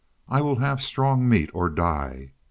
I will have strong meat or die!"